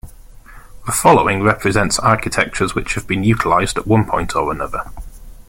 The following represents architectures which have been utilized at one point or another.